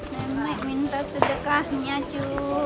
nenek minta sedekahnya ju